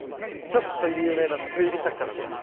ちょっと有名な推理作家なんです。